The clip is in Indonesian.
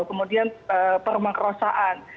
kemudian perumahan kerosaan